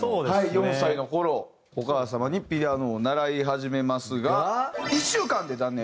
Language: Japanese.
４歳の頃お母様にピアノを習い始めますが１週間で断念。